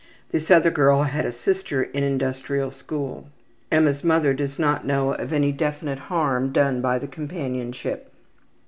This other girl has a sister in the Industrial School. Emma's mother does not know of any definite harm done by the companionship.